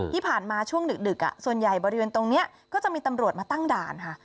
ที่ผ่านมาช่วงดึกส่วนใหญ่บริเวณตรงนี้ก็จะมีตำรวจมาตั้งด่านค่ะ